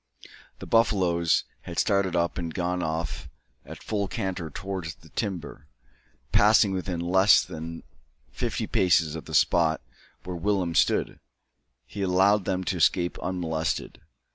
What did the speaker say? The buffaloes had started up and gone off at full canter towards the timber, passing within less than fifty paces of the spot where Willem stood. He allowed them to escape unmolested.